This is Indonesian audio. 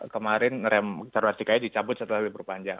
kemarin rem taruh asiknya dicabut setelah libur panjang